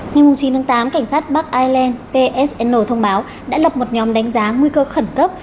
ngày chín tháng tám cảnh sát bắc ireland psn thông báo đã lập một nhóm đánh giá nguy cơ khẩn cấp